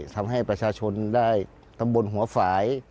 ทำให้ประชาชนได้ตำบลหัวฝ่าย